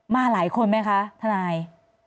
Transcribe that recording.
มาหลายคนไหมคะทนาย